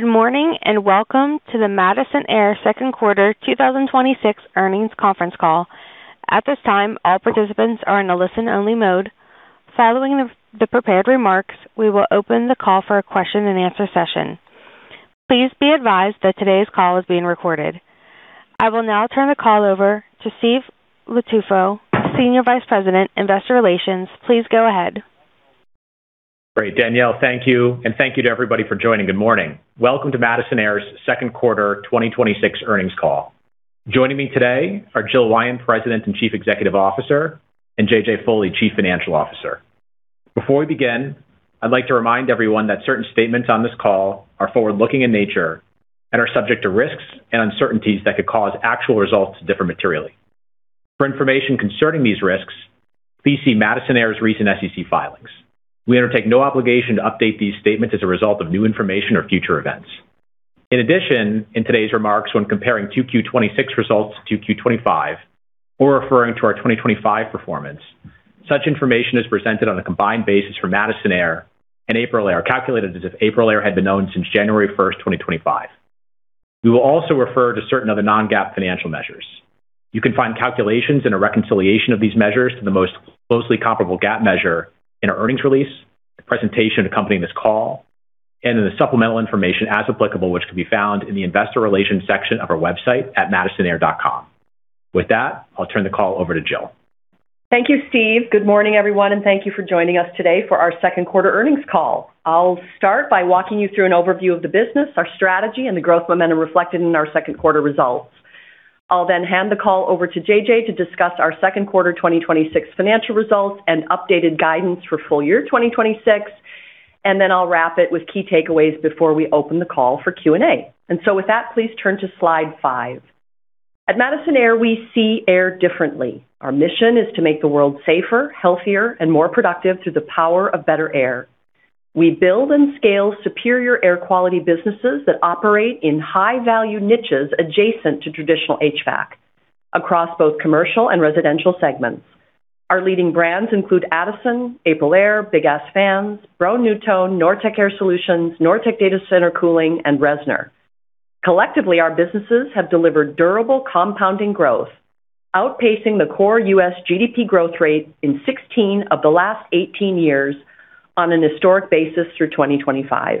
Good morning, welcome to the Madison Air Q2 2026 Earnings Conference Call. At this time, all participants are in a listen-only mode. Following the prepared remarks, we will open the call for a question-and-answer session. Please be advised that today's call is being recorded. I will now turn the call over to Steve Low-Tufo, Senior Vice President, Investor Relations. Please go ahead. Great, Danielle, thank you, thank you to everybody for joining. Good morning. Welcome to Madison Air's Q2 2026 Earnings Call. Joining me today are Jill Wyant, President and Chief Executive Officer, and JJ Foley, Chief Financial Officer. Before we begin, I'd like to remind everyone that certain statements on this call are forward-looking in nature and are subject to risks and uncertainties that could cause actual results to differ materially. For information concerning these risks, please see Madison Air's recent SEC filings. We undertake no obligation to update these statements as a result of new information or future events. In addition, in today's remarks, when comparing Q2 2026 results to Q2 2025, or referring to our 2025 performance, such information is presented on a combined basis for Madison Air and AprilAire, calculated as if AprilAire had been owned since January 1st, 2025. We will also refer to certain other non-GAAP financial measures. You can find calculations and a reconciliation of these measures to the most closely comparable GAAP measure in our earnings release, the presentation accompanying this call, and in the supplemental information as applicable, which can be found in the investor relations section of our website at madisonair.com. I'll turn the call over to Jill. Thank you, Steve. Good morning, everyone, thank you for joining us today for our Q2 Earnings Call. I'll start by walking you through an overview of the business, our strategy, and the growth momentum reflected in our Q2 results. I'll hand the call over to JJ to discuss our Q2 2026 financial results and updated guidance for full year 2026, I'll wrap it with key takeaways before we open the call for Q&A. Please turn to slide five. At Madison Air, we see air differently. Our mission is to make the world safer, healthier, and more productive through the power of better air. We build and scale superior air quality businesses that operate in high-value niches adjacent to traditional HVAC, across both commercial and residential segments. Our leading brands include Addison, AprilAire, Big Ass Fans, Broan-NuTone, Nortek Air Solutions, Nortek Data Center Cooling, and Reznor. Collectively, our businesses have delivered durable compounding growth, outpacing the core U.S. GDP growth rate in 16 of the last 18 years on an historic basis through 2025.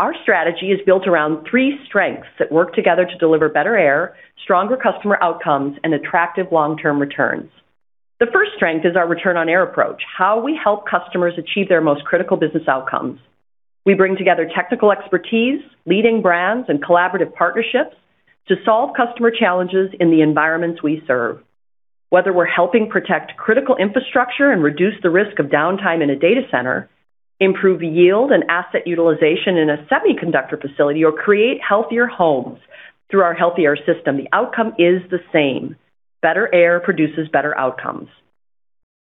Our strategy is built around three strengths that work together to deliver better air, stronger customer outcomes, and attractive long-term returns. The first strength is our Return on Air approach, how we help customers achieve their most critical business outcomes. We bring together technical expertise, leading brands, and collaborative partnerships to solve customer challenges in the environments we serve. Whether we're helping protect critical infrastructure and reduce the risk of downtime in a data center, improve yield and asset utilization in a semiconductor facility, or create healthier homes through our Healthy Air System, the outcome is the same. Better air produces better outcomes.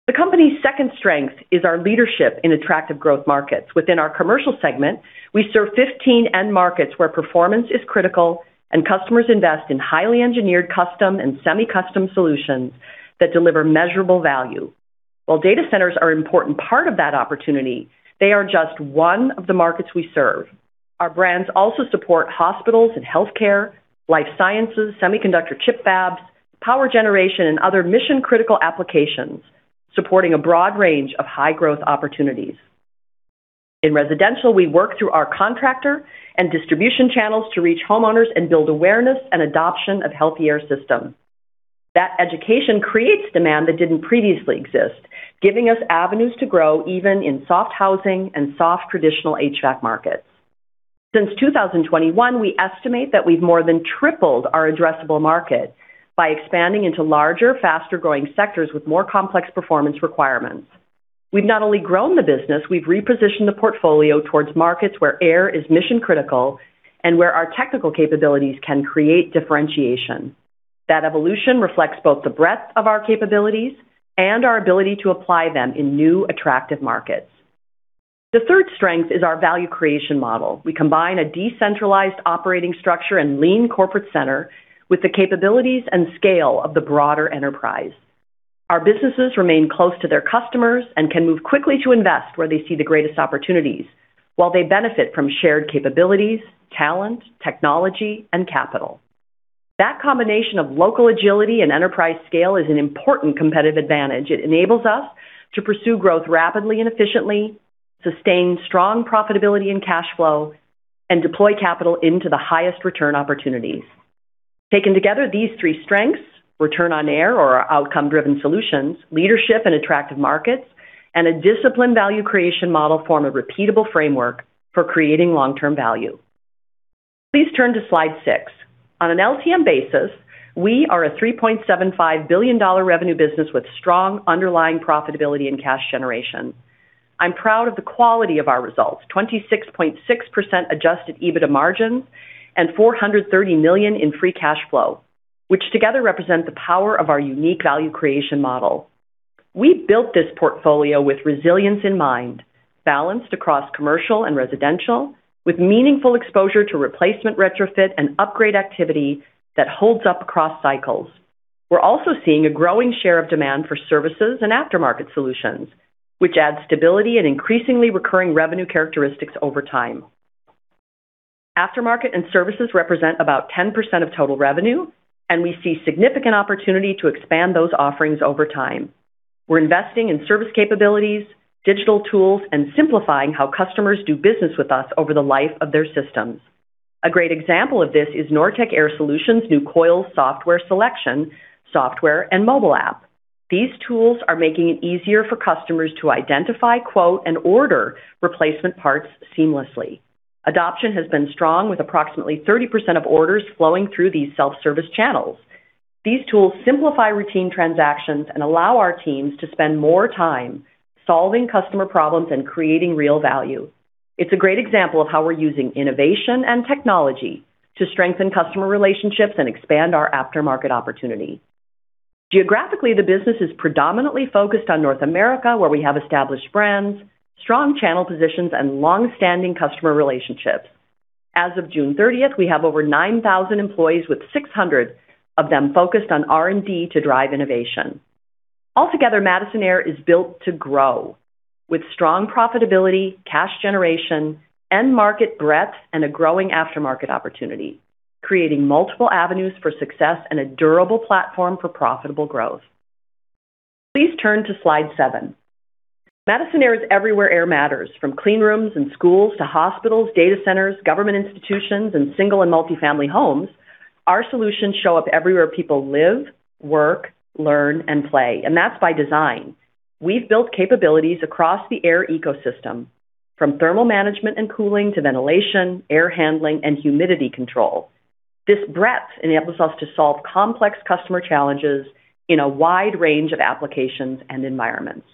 The company's second strength is our leadership in attractive growth markets. Within our commercial segment, we serve 15 end markets where performance is critical and customers invest in highly engineered custom and semi-custom solutions that deliver measurable value. While data centers are an important part of that opportunity, they are just one of the markets we serve. Our brands also support hospitals and healthcare, life sciences, semiconductor chip fabs, power generation, and other mission-critical applications, supporting a broad range of high-growth opportunities. In residential, we work through our contractor and distribution channels to reach homeowners and build awareness and adoption of Healthy Air Systems. That education creates demand that didn't previously exist, giving us avenues to grow even in soft housing and soft traditional HVAC markets. Since 2021, we estimate that we've more than tripled our addressable market by expanding into larger, faster-growing sectors with more complex performance requirements. We've not only grown the business, we've repositioned the portfolio towards markets where air is mission-critical and where our technical capabilities can create differentiation. That evolution reflects both the breadth of our capabilities and our ability to apply them in new, attractive markets. The third strength is our value creation model. We combine a decentralized operating structure and lean corporate center with the capabilities and scale of the broader enterprise. Our businesses remain close to their customers and can move quickly to invest where they see the greatest opportunities while they benefit from shared capabilities, talent, technology, and capital. That combination of local agility and enterprise scale is an important competitive advantage. It enables us to pursue growth rapidly and efficiently, sustain strong profitability and cash flow, and deploy capital into the highest return opportunities. Taken together, these three strengths, Return on Air or our outcome-driven solutions, leadership and attractive markets, and a disciplined value creation model form a repeatable framework for creating long-term value. Please turn to slide six. On an LTM basis, we are a $3.75 billion revenue business with strong underlying profitability and cash generation. I'm proud of the quality of our results, 26.6% Adjusted EBITDA margin and $430 million in free cash flow, which together represent the power of our unique value creation model. We built this portfolio with resilience in mind, balanced across commercial and residential, with meaningful exposure to replacement retrofit and upgrade activity that holds up across cycles. We're also seeing a growing share of demand for services and aftermarket solutions, which add stability and increasingly recurring revenue characteristics over time. Aftermarket and services represent about 10% of total revenue, and we see significant opportunity to expand those offerings over time. We're investing in service capabilities, digital tools, and simplifying how customers do business with us over the life of their systems. A great example of this is Nortek Air Solutions' new coil software selection software and mobile app. These tools are making it easier for customers to identify, quote, and order replacement parts seamlessly. Adoption has been strong, with approximately 30% of orders flowing through these self-service channels. These tools simplify routine transactions and allow our teams to spend more time solving customer problems and creating real value. It's a great example of how we're using innovation and technology to strengthen customer relationships and expand our aftermarket opportunity. Geographically, the business is predominantly focused on North America, where we have established brands, strong channel positions, and longstanding customer relationships. As of June 30th, we have over 9,000 employees, with 600 of them focused on R&D to drive innovation. Altogether, Madison Air is built to grow with strong profitability, cash generation, end market breadth, and a growing aftermarket opportunity, creating multiple avenues for success and a durable platform for profitable growth. Please turn to slide seven. Madison Air is everywhere air matters, from clean rooms and schools to hospitals, data centers, government institutions, and single and multifamily homes. Our solutions show up everywhere people live, work, learn, and play, and that's by design. We've built capabilities across the air ecosystem, from thermal management and cooling to ventilation, air handling, and humidity control. This breadth enables us to solve complex customer challenges in a wide range of applications and environments.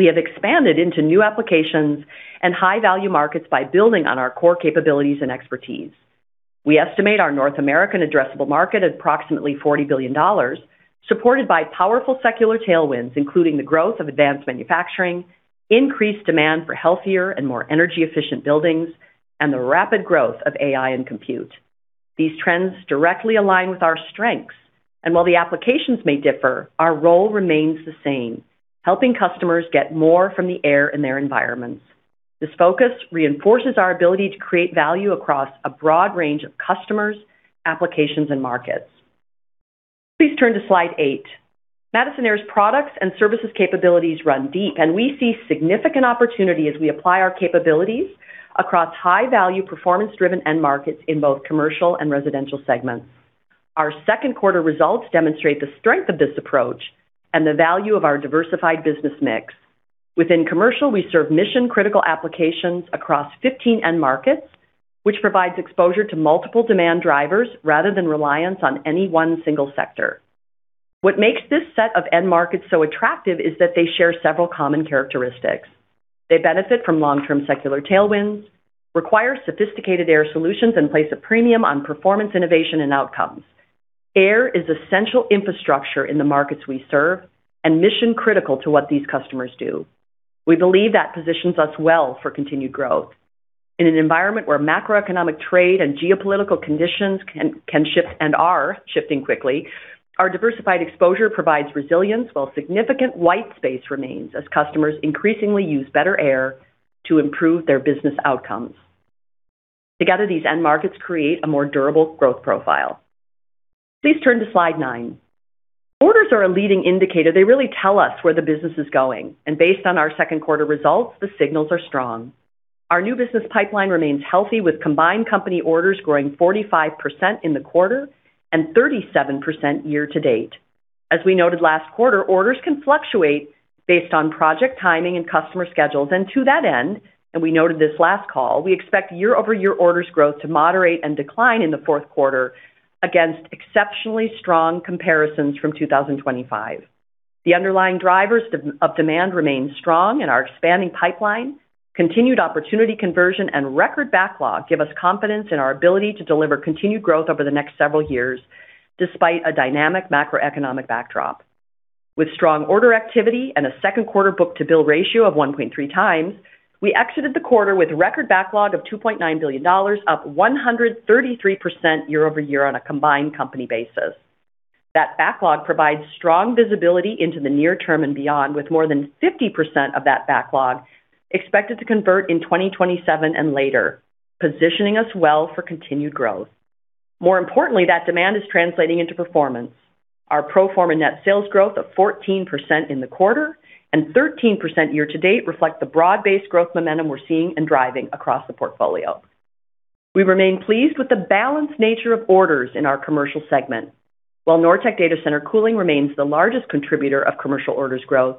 We have expanded into new applications and high-value markets by building on our core capabilities and expertise. We estimate our North American addressable market at approximately $40 billion, supported by powerful secular tailwinds, including the growth of advanced manufacturing, increased demand for healthier and more energy-efficient buildings, and the rapid growth of AI and compute. These trends directly align with our strengths, and while the applications may differ, our role remains the same: helping customers get more from the air in their environments. This focus reinforces our ability to create value across a broad range of customers, applications, and markets. Please turn to slide eight. Madison Air's products and services capabilities run deep, and we see significant opportunity as we apply our capabilities across high-value, performance-driven end markets in both commercial and residential segments. Our Q2 results demonstrate the strength of this approach and the value of our diversified business mix. Within commercial, we serve mission-critical applications across 15 end markets, which provides exposure to multiple demand drivers rather than reliance on any one single sector. What makes this set of end markets so attractive is that they share several common characteristics. They benefit from long-term secular tailwinds, require sophisticated air solutions, and place a premium on performance, innovation, and outcomes. Air is essential infrastructure in the markets we serve and mission-critical to what these customers do. We believe that positions us well for continued growth. In an environment where macroeconomic trade and geopolitical conditions can shift and are shifting quickly, our diversified exposure provides resilience while significant white space remains as customers increasingly use better air to improve their business outcomes. Together, these end markets create a more durable growth profile. Please turn to slide nine. Orders are a leading indicator. They really tell us where the business is going. Based on our Q2 results, the signals are strong. Our new business pipeline remains healthy, with combined company orders growing 45% in the quarter and 37% year-to-date. As we noted last quarter, orders can fluctuate based on project timing and customer schedules. To that end, we noted this last call, we expect year-over-year orders growth to moderate and decline in the Q4 against exceptionally strong comparisons from 2025. The underlying drivers of demand remain strong in our expanding pipeline. Continued opportunity conversion and record backlog give us confidence in our ability to deliver continued growth over the next several years, despite a dynamic macroeconomic backdrop. With strong order activity and a Q2 book-to-bill ratio of 1.3x, we exited the quarter with a record backlog of $2.9 billion, up 133% year-over-year on a combined company basis. That backlog provides strong visibility into the near term and beyond, with more than 50% of that backlog expected to convert in 2027 and later, positioning us well for continued growth. More importantly, that demand is translating into performance. Our pro forma net sales growth of 14% in the quarter and 13% year-to-date reflect the broad-based growth momentum we're seeing and driving across the portfolio. We remain pleased with the balanced nature of orders in our commercial segment. While Nortek Data Center Cooling remains the largest contributor of commercial orders growth,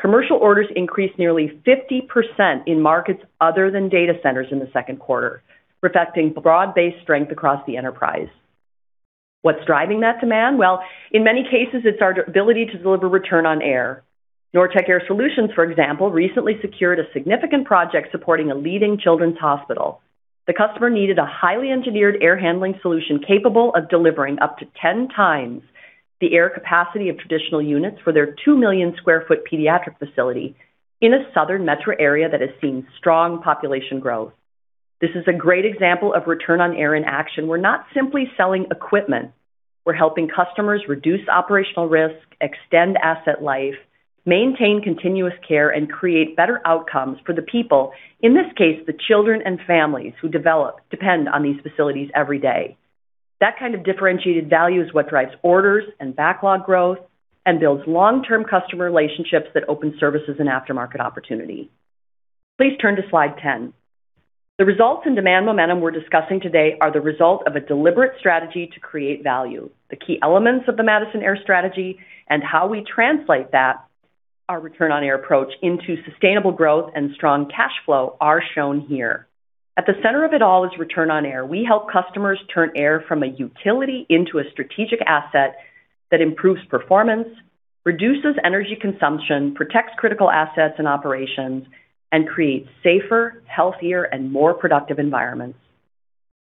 commercial orders increased nearly 50% in markets other than data centers in the Q2, reflecting broad-based strength across the enterprise. What's driving that demand? Well, in many cases, it's our ability to deliver Return on Air. Nortek Air Solutions, for example, recently secured a significant project supporting a leading children's hospital. The customer needed a highly engineered air handling solution capable of delivering up to 10x the air capacity of traditional units for their 2 million sq ft pediatric facility in a southern metro area that has seen strong population growth. This is a great example of Return on Air in action. We're not simply selling equipment. We're helping customers reduce operational risk, extend asset life, maintain continuous care, and create better outcomes for the people, in this case, the children and families who depend on these facilities every day. That kind of differentiated value is what drives orders and backlog growth and builds long-term customer relationships that open services and aftermarket opportunities. Please turn to slide 10. The results and demand momentum we're discussing today are the result of a deliberate strategy to create value. The key elements of the Madison Air strategy and how we translate that, our Return on Air approach, into sustainable growth and strong cash flow are shown here. At the center of it all is Return on Air. We help customers turn air from a utility into a strategic asset that improves performance, reduces energy consumption, protects critical assets and operations, and creates safer, healthier, and more productive environments.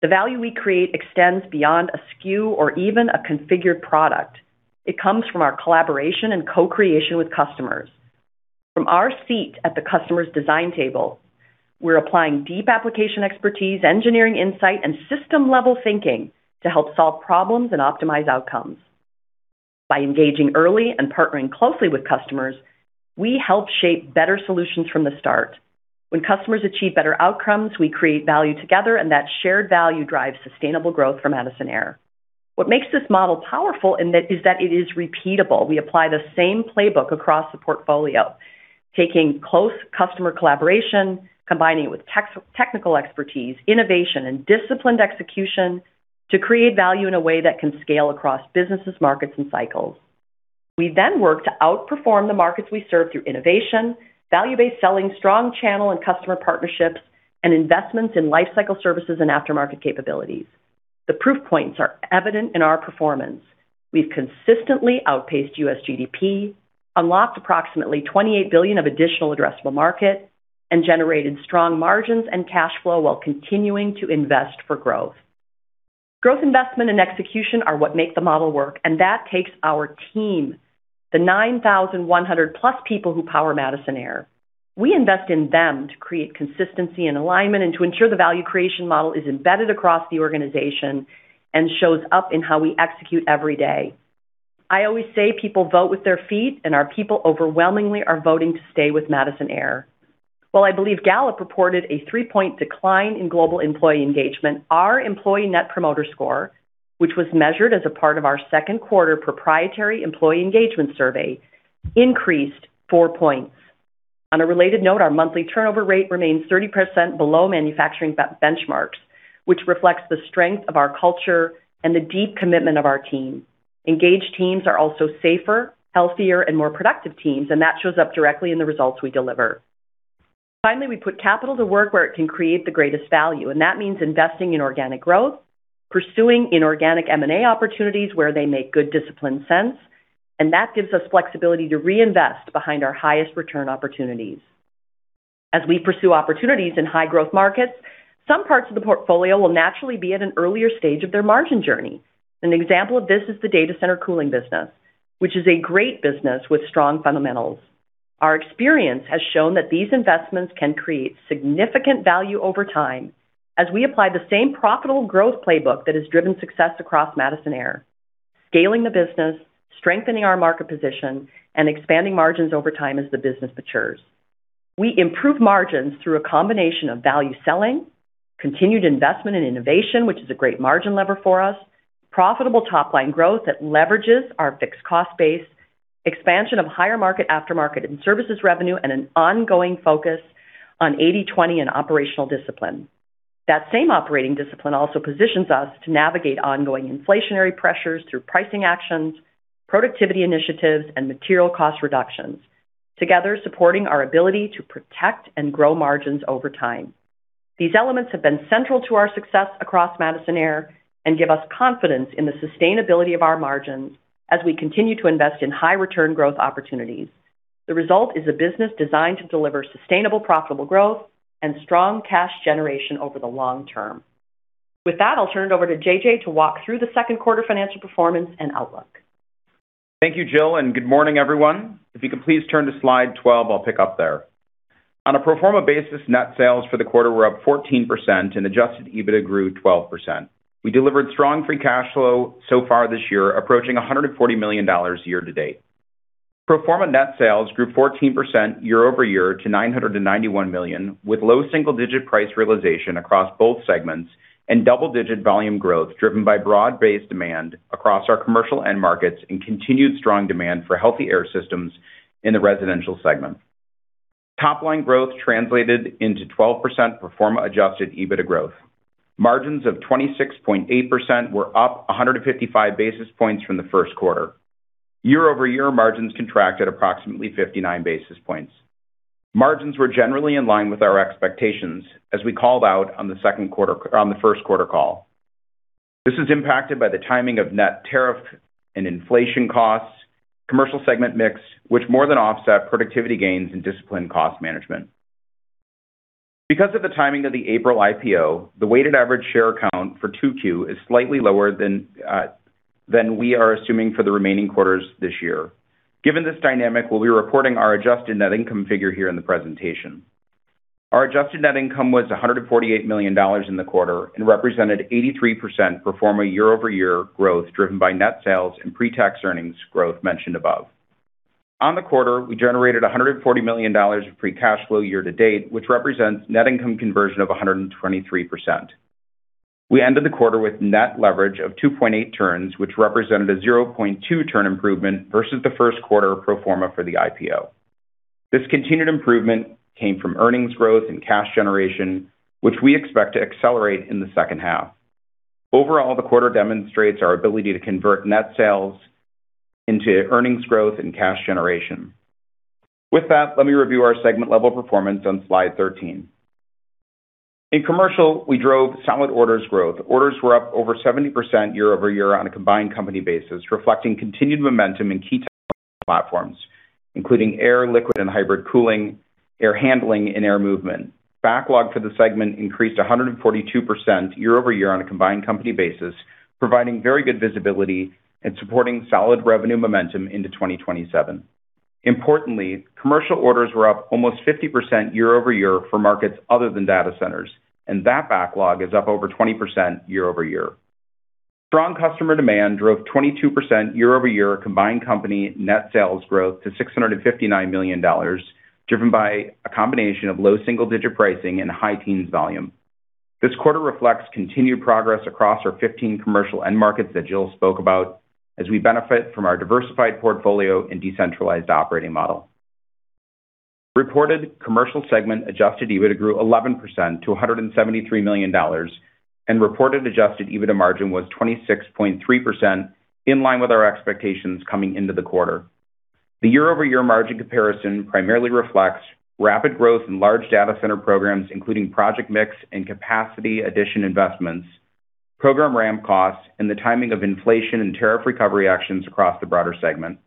The value we create extends beyond a SKU or even a configured product. It comes from our collaboration and co-creation with customers. From our seat at the customer's design table, we're applying deep application expertise, engineering insight, and system-level thinking to help solve problems and optimize outcomes. By engaging early and partnering closely with customers, we help shape better solutions from the start. When customers achieve better outcomes, we create value together, and that shared value drives sustainable growth for Madison Air. What makes this model powerful is that it is repeatable. We apply the same playbook across the portfolio, taking close customer collaboration, combining it with technical expertise, innovation, and disciplined execution to create value in a way that can scale across businesses, markets, and cycles. We then work to outperform the markets we serve through innovation, value-based selling, strong channel and customer partnerships, and investments in lifecycle services and aftermarket capabilities. The proof points are evident in our performance. We've consistently outpaced U.S. GDP, unlocked approximately $28 billion of additional addressable market, and generated strong margins and cash flow while continuing to invest for growth. Growth investment and execution are what make the model work, and that takes our team, the 9,100+ people who power Madison Air. We invest in them to create consistency and alignment and to ensure the value creation model is embedded across the organization and shows up in how we execute every day. I always say people vote with their feet, and our people overwhelmingly are voting to stay with Madison Air. While I believe Gallup reported a three-point decline in global employee engagement, our employee net promoter score, which was measured as a part of our Q2 proprietary employee engagement survey, increased four points. On a related note, our monthly turnover rate remains 30% below manufacturing benchmarks, which reflects the strength of our culture and the deep commitment of our team. Engaged teams are also safer, healthier, and more productive teams, and that shows up directly in the results we deliver. Finally, we put capital to work where it can create the greatest value, and that means investing in organic growth, pursuing inorganic M&A opportunities where they make good disciplined sense, and that gives us flexibility to reinvest behind our highest return opportunities. As we pursue opportunities in high-growth markets, some parts of the portfolio will naturally be at an earlier stage of their margin journey. An example of this is the data center cooling business, which is a great business with strong fundamentals. Our experience has shown that these investments can create significant value over time as we apply the same profitable growth playbook that has driven success across Madison Air, scaling the business, strengthening our market position, and expanding margins over time as the business matures. We improve margins through a combination of value selling, continued investment in innovation, which is a great margin lever for us, profitable top-line growth that leverages our fixed cost base, expansion of higher market aftermarket and services revenue, and an ongoing focus on 80/20 and operational discipline. That same operating discipline also positions us to navigate ongoing inflationary pressures through pricing actions, productivity initiatives, and material cost reductions, together supporting our ability to protect and grow margins over time. These elements have been central to our success across Madison Air and give us confidence in the sustainability of our margins as we continue to invest in high-return growth opportunities. The result is a business designed to deliver sustainable profitable growth and strong cash generation over the long term. With that, I'll turn it over to JJ to walk through the Q2 financial performance and outlook. Thank you, Jill, and good morning, everyone. If you can please turn to slide 12, I'll pick up there. On a pro forma basis, net sales for the quarter were up 14% and Adjusted EBITDA grew 12%. We delivered strong free cash flow so far this year, approaching $140 million year to date. Pro forma net sales grew 14% year-over-year to $991 million, with low single-digit price realization across both segments and double-digit volume growth driven by broad-based demand across our commercial end markets and continued strong demand for Healthy Air Systems in the residential segment. Topline growth translated into 12% pro forma Adjusted EBITDA growth. Margins of 26.8% were up 155 basis points from the Q1. Year-over-year, margins contracted approximately 59 basis points. Margins were generally in line with our expectations as we called out on the Q1 call. This is impacted by the timing of net tariff and inflation costs, commercial segment mix, which more than offset productivity gains and disciplined cost management. Because of the timing of the AprilAire IPO, the weighted average share count for Q2 is slightly lower than we are assuming for the remaining quarters this year. Given this dynamic, we'll be reporting our adjusted net income figure here in the presentation. Our adjusted net income was $148 million in the quarter and represented 83% pro forma year-over-year growth, driven by net sales and pre-tax earnings growth mentioned above. On the quarter, we generated $140 million of free cash flow year to date, which represents net income conversion of 123%. We ended the quarter with net leverage of 2.8x, which represented a 0.2x improvement versus the Q1 pro forma for the IPO. This continued improvement came from earnings growth and cash generation, which we expect to accelerate in the H2. Overall, the quarter demonstrates our ability to convert net sales into earnings growth and cash generation. With that, let me review our segment level performance on slide 13. In commercial, we drove solid orders growth. Orders were up over 70% year-over-year on a combined company basis, reflecting continued momentum in key platforms, including air, liquid, and hybrid cooling, air handling, and air movement. Backlog for the segment increased 142% year-over-year on a combined company basis, providing very good visibility and supporting solid revenue momentum into 2027. Importantly, commercial orders were up almost 50% year-over-year for markets other than data centers, and that backlog is up over 20% year-over-year. Strong customer demand drove 22% year-over-year combined company net sales growth to $659 million, driven by a combination of low single-digit pricing and high teens volume. This quarter reflects continued progress across our 15 commercial end markets that Jill spoke about as we benefit from our diversified portfolio and decentralized operating model. Reported commercial segment Adjusted EBITDA grew 11% to $173 million, and reported Adjusted EBITDA margin was 26.3%, in line with our expectations coming into the quarter. The year-over-year margin comparison primarily reflects rapid growth in large data center programs, including project mix and capacity addition investments, program ramp costs, and the timing of inflation and tariff recovery actions across the broader segment.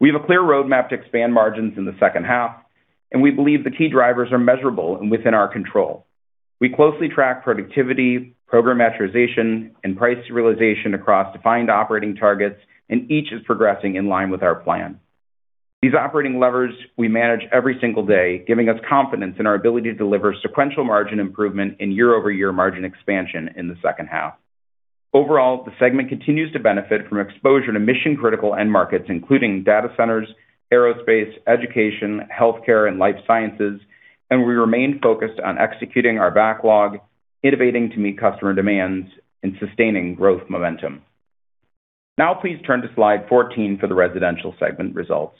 We have a clear roadmap to expand margins in the H2, and we believe the key drivers are measurable and within our control. We closely track productivity, program maturization, and price realization across defined operating targets. Each is progressing in line with our plan. These operating levers we manage every single day, giving us confidence in our ability to deliver sequential margin improvement and year-over-year margin expansion in the H2. Overall, the segment continues to benefit from exposure to mission critical end markets, including data centers, aerospace, education, healthcare, and life sciences. We remain focused on executing our backlog, innovating to meet customer demands, and sustaining growth momentum. Now please turn to slide 14 for the residential segment results.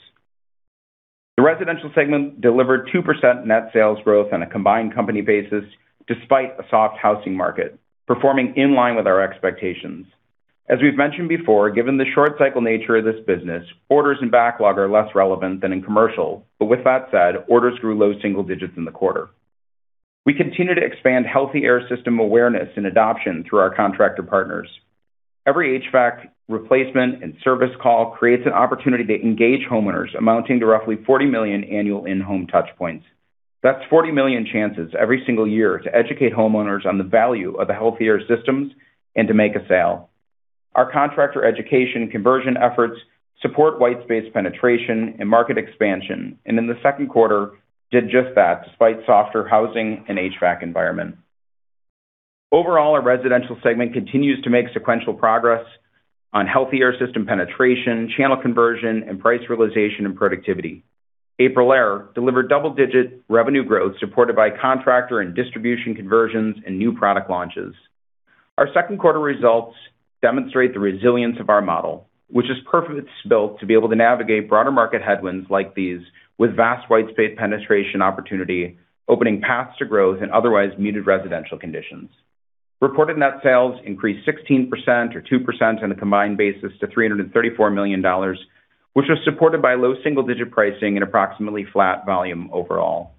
The residential segment delivered 2% net sales growth on a combined company basis despite a soft housing market, performing in line with our expectations. As we've mentioned before, given the short cycle nature of this business, orders and backlog are less relevant than in commercial. With that said, orders grew low single digits in the quarter. We continue to expand Healthy Air System awareness and adoption through our contractor partners. Every HVAC replacement and service call creates an opportunity to engage homeowners amounting to roughly 40 million annual in-home touch points. That's 40 million chances every single year to educate homeowners on the value of the Healthy Air Systems and to make a sale. Our contractor education conversion efforts support white space penetration and market expansion. In Q2 did just that, despite softer housing and HVAC environment. Overall, our residential segment continues to make sequential progress on Healthy Air System penetration, channel conversion, and price realization and productivity. AprilAire delivered double-digit revenue growth supported by contractor and distribution conversions and new product launches. Our Q2 results demonstrate the resilience of our model, which is perfectly built to be able to navigate broader market headwinds like these with vast white space penetration opportunity, opening paths to growth in otherwise muted residential conditions. Reported net sales increased 16% or 2% on a combined basis to $334 million, which was supported by low single digit pricing and approximately flat volume overall.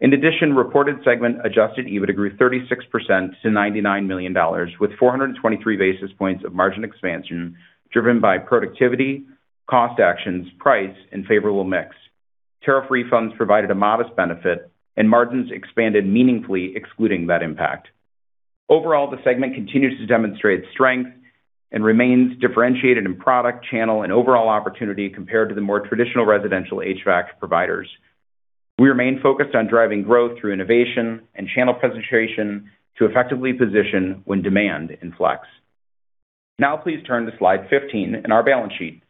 In addition, reported segment Adjusted EBITDA grew 36% to $99 million, with 423 basis points of margin expansion driven by productivity, cost actions, price, and favorable mix. Tariff refunds provided a modest benefit. Margins expanded meaningfully excluding that impact. Overall, the segment continues to demonstrate strength and remains differentiated in product, channel, and overall opportunity compared to the more traditional residential HVAC providers. We remain focused on driving growth through innovation and channel penetration to effectively position when demand inflects. Now please turn to slide 15 and our balance sheet.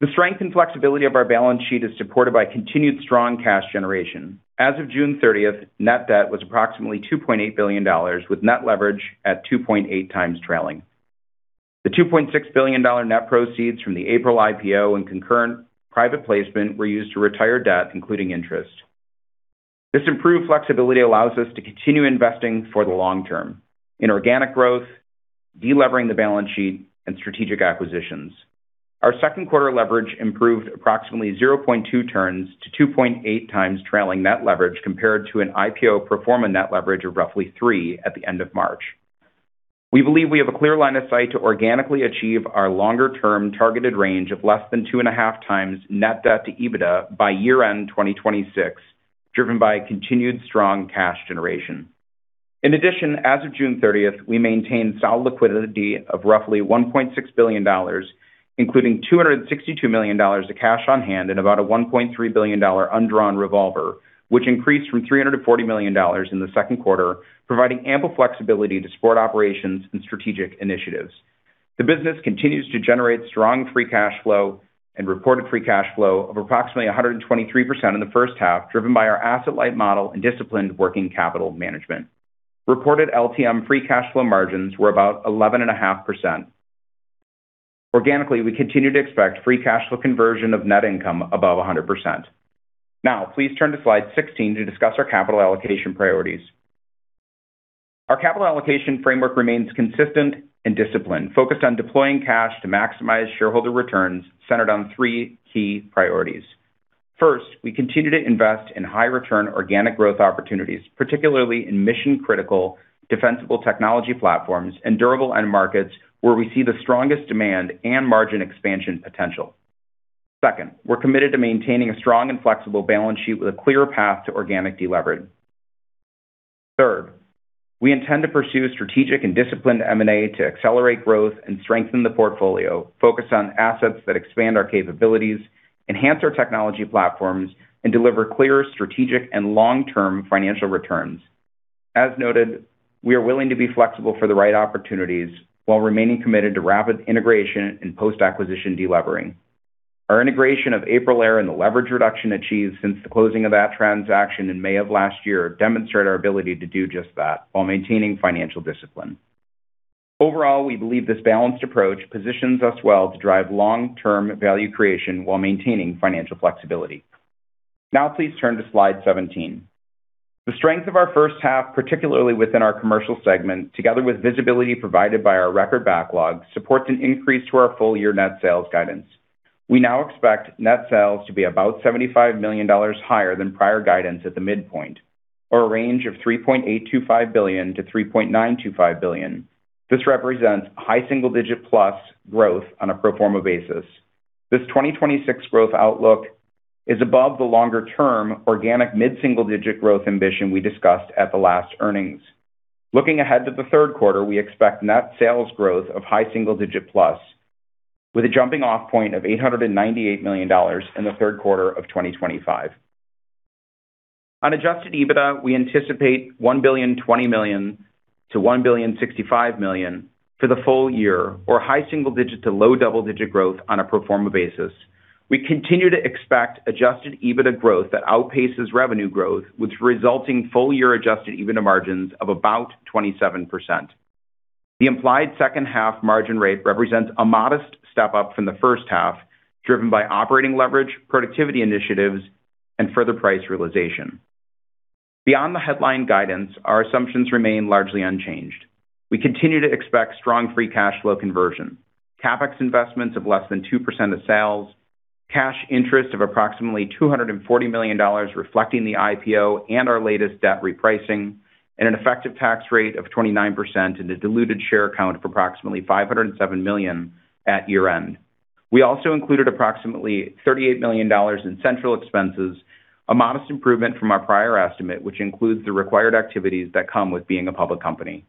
The strength and flexibility of our balance sheet is supported by continued strong cash generation. As of June 30th, net debt was approximately $2.8 billion, with net leverage at 2.8x trailing. The $2.6 billion net proceeds from the AprilAire IPO and concurrent private placement were used to retire debt, including interest. This improved flexibility allows us to continue investing for the long term in organic growth, delevering the balance sheet, and strategic acquisitions. Our Q2 leverage improved approximately 0.2x to 2.8x trailing net leverage compared to an IPO pro forma net leverage of roughly 3x at the end of March. We believe we have a clear line of sight to organically achieve our longer-term targeted range of less than 2.5x net debt to EBITDA by year-end 2026, driven by continued strong cash generation. In addition, as of June 30th, we maintained solid liquidity of roughly $1.6 billion, including $262 million of cash on hand and about a $1.3 billion undrawn revolver, which increased from $340 million in Q2, providing ample flexibility to support operations and strategic initiatives. The business continues to generate strong free cash flow and reported free cash flow of approximately 123% in the H1, driven by our asset-light model and disciplined working capital management. Reported LTM free cash flow margins were about 11.5%. Organically, we continue to expect free cash flow conversion of net income above 100%. Now, please turn to slide 16 to discuss our capital allocation priorities. Our capital allocation framework remains consistent and disciplined, focused on deploying cash to maximize shareholder returns centered on three key priorities. First, we continue to invest in high-return organic growth opportunities, particularly in mission-critical defensible technology platforms and durable end markets where we see the strongest demand and margin expansion potential. Second, we're committed to maintaining a strong and flexible balance sheet with a clear path to organic delevering. Third, we intend to pursue strategic and disciplined M&A to accelerate growth and strengthen the portfolio, focused on assets that expand our capabilities, enhance our technology platforms, and deliver clear strategic and long-term financial returns. As noted, we are willing to be flexible for the right opportunities while remaining committed to rapid integration and post-acquisition delevering. Our integration of AprilAire and the leverage reduction achieved since the closing of that transaction in May of last year demonstrate our ability to do just that while maintaining financial discipline. Overall, we believe this balanced approach positions us well to drive long-term value creation while maintaining financial flexibility. Now, please turn to slide 17. The strength of our H1, particularly within our commercial segment, together with visibility provided by our record backlog, supports an increase to our full year net sales guidance. We now expect net sales to be about $75 million higher than prior guidance at the midpoint, or a range of $3.825 billion-$3.925 billion. This represents high single-digit plus growth on a pro forma basis. This 2026 growth outlook is above the longer-term organic mid-single-digit growth ambition we discussed at the last earnings. Looking ahead to the Q3, we expect net sales growth of high single-digit plus with a jumping off point of $898 million in the Q3 of 2025. On Adjusted EBITDA, we anticipate $1.02 billion-$1.065 billion for the full year, or high single-digit to low double-digit growth on a pro forma basis. We continue to expect Adjusted EBITDA growth that outpaces revenue growth, with resulting full year Adjusted EBITDA margins of about 27%. The implied H2 margin rate represents a modest step-up from the H1, driven by operating leverage, productivity initiatives, and further price realization. Beyond the headline guidance, our assumptions remain largely unchanged. We continue to expect strong free cash flow conversion, CapEx investments of less than 2% of sales, cash interest of approximately $240 million reflecting the IPO and our latest debt repricing, an effective tax rate of 29% and a diluted share count of approximately 507 million at year-end. We also included approximately $38 million in central expenses, a modest improvement from our prior estimate, which includes the required activities that come with being a public company.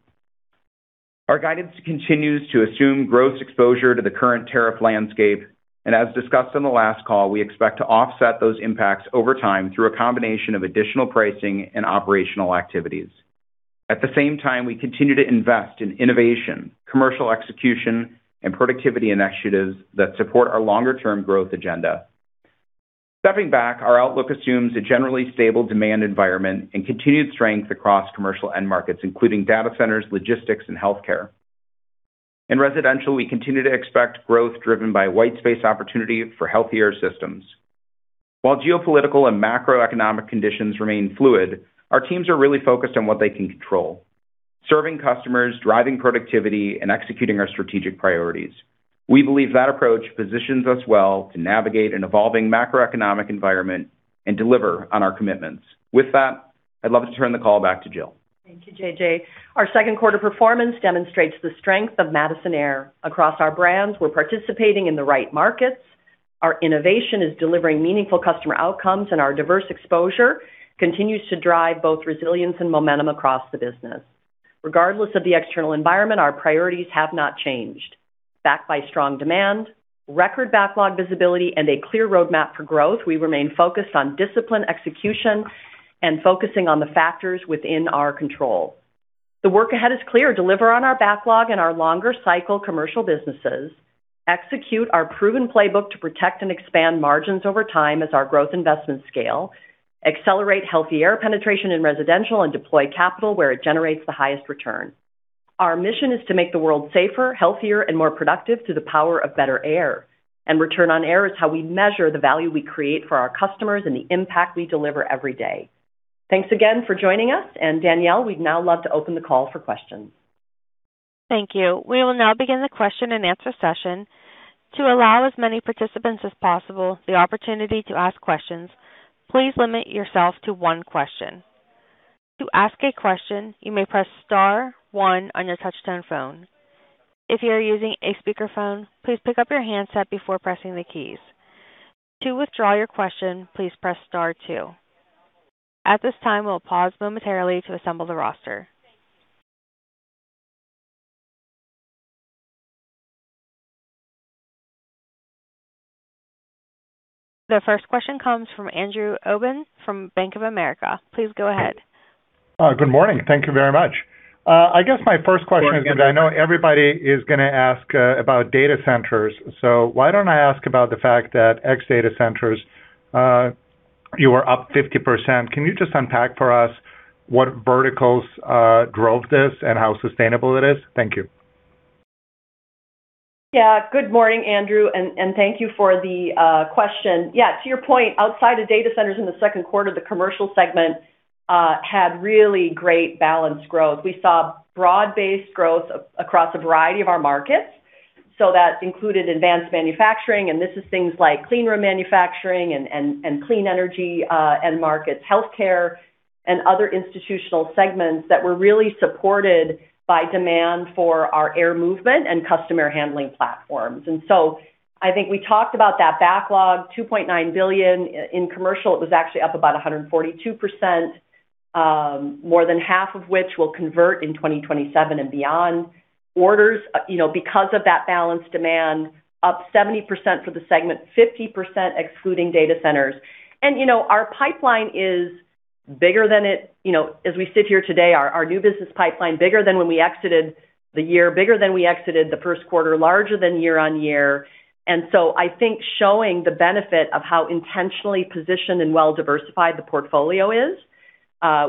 As discussed on the last call, we expect to offset those impacts over time through a combination of additional pricing and operational activities. At the same time, we continue to invest in innovation, commercial execution, and productivity initiatives that support our longer-term growth agenda. Stepping back, our outlook assumes a generally stable demand environment and continued strength across commercial end markets, including data centers, logistics, and healthcare. In residential, we continue to expect growth driven by white space opportunity for healthier systems. While geopolitical and macroeconomic conditions remain fluid, our teams are really focused on what they can control, serving customers, driving productivity, and executing our strategic priorities. We believe that approach positions us well to navigate an evolving macroeconomic environment and deliver on our commitments. With that, I'd love to turn the call back to Jill. Thank you, JJ. Our Q2 performance demonstrates the strength of Madison Air. Across our brands, we're participating in the right markets. Our innovation is delivering meaningful customer outcomes, and our diverse exposure continues to drive both resilience and momentum across the business. Regardless of the external environment, our priorities have not changed. Backed by strong demand, record backlog visibility, and a clear roadmap for growth, we remain focused on disciplined execution and focusing on the factors within our control. The work ahead is clear. Deliver on our backlog and our longer cycle commercial businesses. Execute our proven playbook to protect and expand margins over time as our growth investment scale. Accelerate healthy air penetration in residential and deploy capital where it generates the highest return. Our mission is to make the world safer, healthier, and more productive through the power of better air. Return on Air is how we measure the value we create for our customers and the impact we deliver every day. Thanks again for joining us. Danielle, we'd now love to open the call for questions. Thank you. We will now begin the question and answer session. To allow as many participants as possible the opportunity to ask questions, please limit yourself to one question. To ask a question, you may press star one on your touchtone phone. If you are using a speakerphone, please pick up your handset before pressing the keys. To withdraw your question, please press star two. At this time, we will pause momentarily to assemble the roster. The first question comes from Andrew Obin from Bank of America. Please go ahead. Good morning. Thank you very much. I guess my first question is, I know everybody is going to ask about data centers, why don't I ask about the fact that ex data centers, you are up 50%? Can you just unpack for us what verticals drove this and how sustainable it is? Thank you. Yeah. Good morning, Andrew, and thank you for the question. Yeah, to your point, outside of data centers in Q2, the commercial segment had really great balanced growth. We saw broad-based growth across a variety of our markets. That included advanced manufacturing, and this is things like clean room manufacturing and clean energy end markets, healthcare, and other institutional segments that were really supported by demand for our air movement and customer handling platforms. I think we talked about that backlog, $2.9 billion. In commercial, it was actually up about 142%, more than half of which will convert in 2027 and beyond. Orders, because of that balanced demand, up 70% for the segment, 50% excluding data centers. Our new business pipeline, as we sit here today, is bigger than when we exited the year, bigger than when we exited Q1, larger than year-over-year. I think showing the benefit of how intentionally positioned and well-diversified the portfolio is.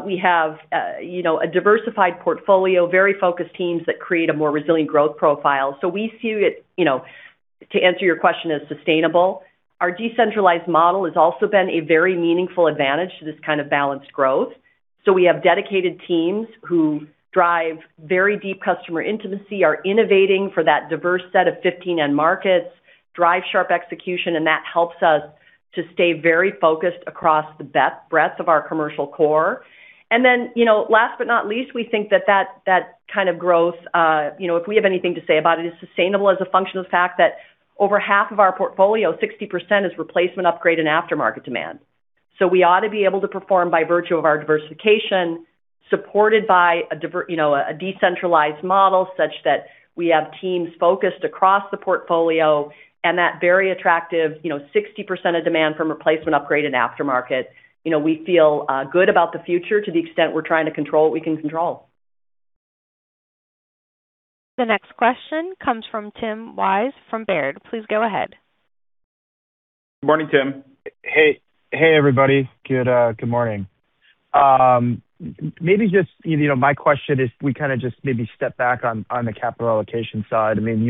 We have a diversified portfolio, very focused teams that create a more resilient growth profile. We see it, to answer your question, as sustainable. Our decentralized model has also been a very meaningful advantage to this kind of balanced growth. We have dedicated teams who drive very deep customer intimacy, are innovating for that diverse set of 15 end markets, drive sharp execution, and that helps us to stay very focused across the breadth of our commercial core. Last but not least, we think that that kind of growth, if we have anything to say about it, is sustainable as a function of the fact that over half of our portfolio, 60%, is replacement, upgrade, and aftermarket demand. We ought to be able to perform by virtue of our diversification, supported by a decentralized model such that we have teams focused across the portfolio and that very attractive 60% of demand from replacement, upgrade, and aftermarket. We feel good about the future to the extent we're trying to control what we can control. The next question comes from Tim Wojs from Baird. Please go ahead. Morning, Tim. Hey, everybody. Good morning. My question is if we kind of just maybe step back on the capital allocation side. I mean,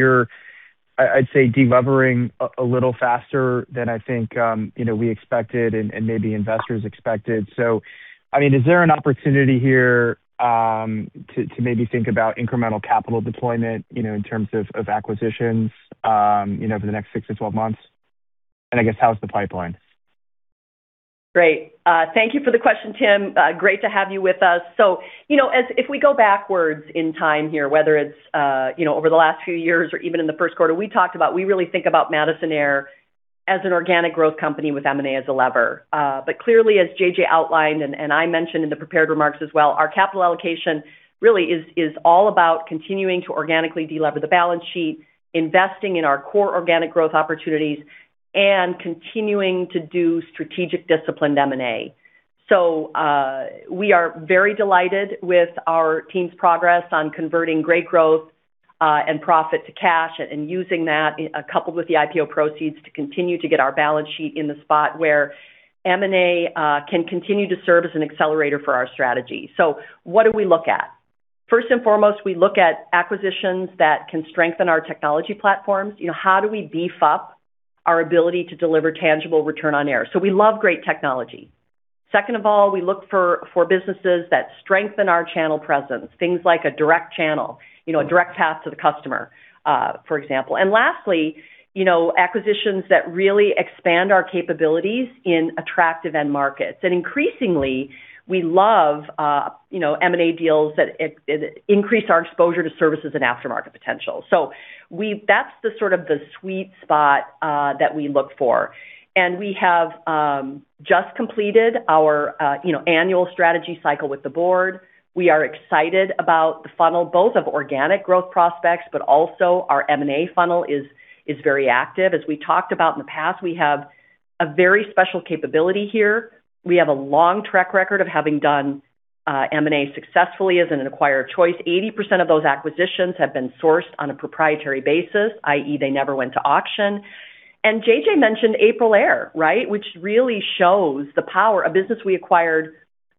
you're, I'd say, de-levering a little faster than I think we expected and maybe investors expected. Is there an opportunity here to maybe think about incremental capital deployment in terms of acquisitions for the next 6-12 months? I guess, how's the pipeline? Great. Thank you for the question, Tim. Great to have you with us. If we go backwards in time here, whether it's over the last few years or even in Q1, we talked about we really think about Madison Air as an organic growth company with M&A as a lever. Clearly, as JJ outlined and I mentioned in the prepared remarks as well, our capital allocation really is all about continuing to organically delever the balance sheet, investing in our core organic growth opportunities, and continuing to do strategic disciplined M&A. We are very delighted with our team's progress on converting great growth and profit to cash, and using that coupled with the IPO proceeds to continue to get our balance sheet in the spot where M&A can continue to serve as an accelerator for our strategy. What do we look at? First and foremost, we look at acquisitions that can strengthen our technology platforms. How do we beef up our ability to deliver tangible Return on Air? We love great technology. Second of all, we look for businesses that strengthen our channel presence, things like a direct channel, a direct path to the customer, for example. Lastly, acquisitions that really expand our capabilities in attractive end markets. Increasingly, we love M&A deals that increase our exposure to services and aftermarket potential. That's the sort of the sweet spot that we look for. We have just completed our annual strategy cycle with the board. We are excited about the funnel, both of organic growth prospects, but also our M&A funnel is very active. As we talked about in the past, we have a very special capability here. We have a long track record of having done M&A successfully as an acquirer of choice. 80% of those acquisitions have been sourced on a proprietary basis, i.e., they never went to auction. JJ mentioned AprilAire, right? Which really shows the power. A business we acquired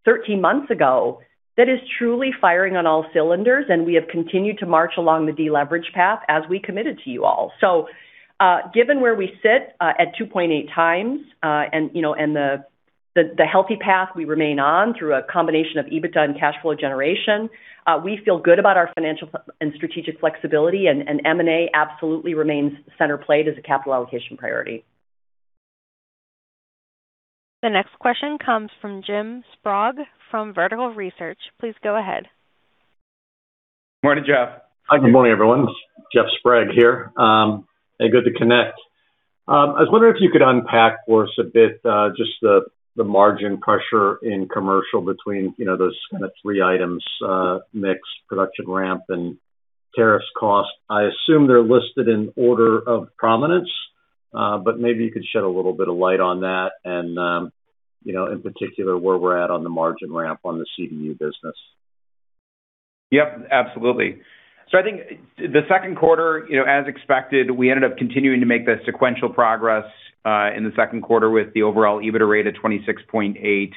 13 months ago that is truly firing on all cylinders, and we have continued to march along the deleverage path as we committed to you all. Given where we sit at 2.8x, and the healthy path we remain on through a combination of EBITDA and cash flow generation, we feel good about our financial and strategic flexibility, and M&A absolutely remains center plate as a capital allocation priority. The next question comes from Jeff Sprague from Vertical Research. Please go ahead. Morning, Jeff. Hi. Good morning, everyone. It's Jeff Sprague here. Hey, good to connect. I was wondering if you could unpack for us a bit just the margin pressure in commercial between those kind of three items, mix, production ramp, and tariffs cost. I assume they're listed in order of prominence, but maybe you could shed a little bit of light on that and, in particular, where we're at on the margin ramp on the CDU business. Yep, absolutely. I think Q2, as expected, we ended up continuing to make the sequential progress in Q2 with the overall EBITDA rate of 26.8%.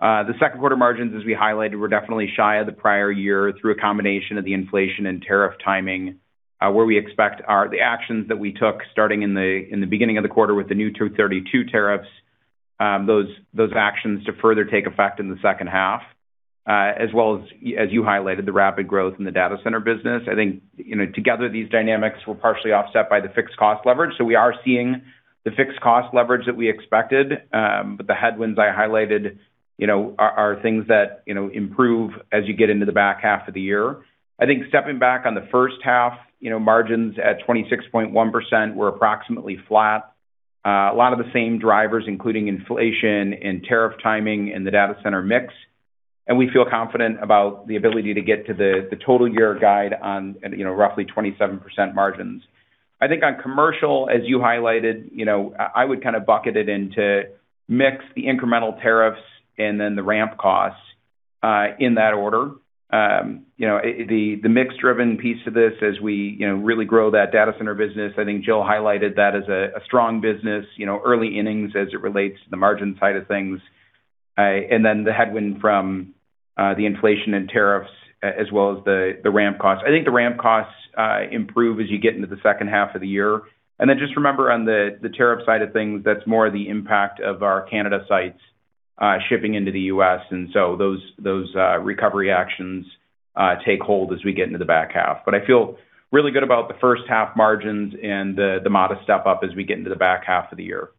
The Q2 margins, as we highlighted, were definitely shy of the prior year through a combination of the inflation and tariff timing, where we expect are the actions that we took starting in the beginning of the quarter with the new 232 tariffs, those actions to further take effect in the H2, as well as you highlighted, the rapid growth in the data center business. I think, together, these dynamics were partially offset by the fixed cost leverage. We are seeing the fixed cost leverage that we expected. The headwinds I highlighted are things that improve as you get into the H2 of the year. I think stepping back on the H1, margins at 26.1% were approximately flat. A lot of the same drivers, including inflation and tariff timing in the data center mix. We feel confident about the ability to get to the total year guide on roughly 27% margins. I think on commercial, as you highlighted, I would kind of bucket it into mix the incremental tariffs and then the ramp costs, in that order. The mix-driven piece of this as we really grow that data center business, I think Jill highlighted that as a strong business, early innings as it relates to the margin side of things. The headwind from the inflation and tariffs as well as the ramp costs. I think the ramp costs improve as you get into the H2 of the year. Just remember on the tariff side of things, that's more of the impact of our Canada sites shipping into the U.S., those recovery actions take hold as we get into the H2. I feel really good about the H1 margins and the modest step up as we get into the H2 of the year.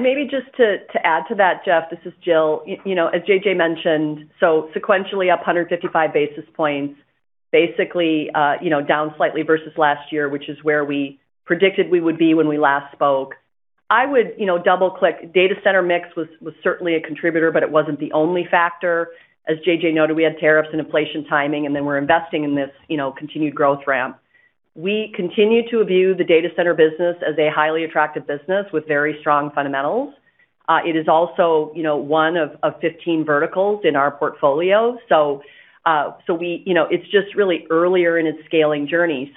Maybe just to add to that, Jeff, this is Jill. As JJ mentioned, sequentially up 155 basis points, basically down slightly versus last year, which is where we predicted we would be when we last spoke. I would double-click. Data center mix was certainly a contributor, but it wasn't the only factor. As JJ noted, we had tariffs and inflation timing, then we're investing in this continued growth ramp. We continue to view the data center business as a highly attractive business with very strong fundamentals. It is also one of 15 verticals in our portfolio, it's just really earlier in its scaling journey.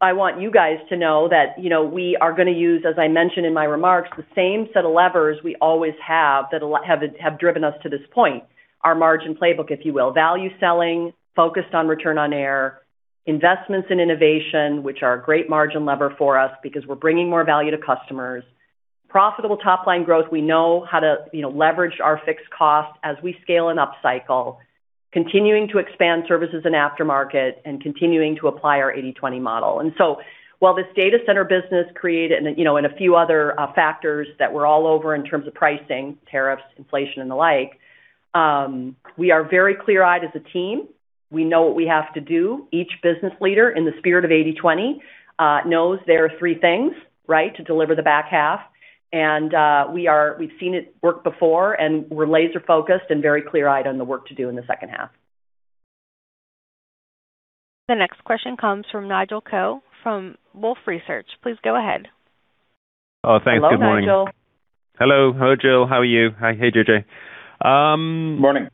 I want you guys to know that, we are going to use, as I mentioned in my remarks, the same set of levers we always have that have driven us to this point. Our margin playbook, if you will. Value selling, focused on Return on Air, investments in innovation, which are a great margin lever for us because we're bringing more value to customers. Profitable top-line growth. We know how to leverage our fixed cost as we scale and upcycle, continuing to expand services and aftermarket and continuing to apply our 80/20 model. While this data center business created, and a few other factors that we're all over in terms of pricing, tariffs, inflation, and the like, we are very clear-eyed as a team. We know what we have to do. Each business leader, in the spirit of 80/20, knows there are three things, right, to deliver the H2, and we've seen it work before, and we're laser-focused and very clear-eyed on the work to do in the H2. The next question comes from Nigel Coe from Wolfe Research. Please go ahead. Oh, thanks. Good morning. Hello, Nigel. Hello. Hello, Jill. How are you? Hi. Hey, JJ. Morning. Morning.